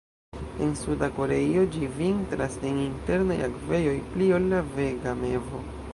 En Suda Koreio ĝi vintras en internaj akvejoj pli ol la Vega mevo.